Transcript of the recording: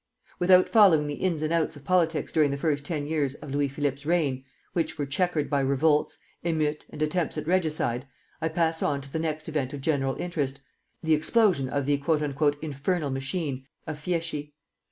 ] Without following the ins and outs of politics during the first ten years of Louis Philippe's reign, which were checkered by revolts, émeutes, and attempts at regicide, I pass on to the next event of general interest, the explosion of the "infernal machine" of Fieschi.